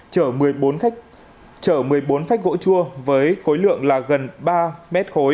chở một mươi bốn phách gỗ chua với khối lượng gần ba m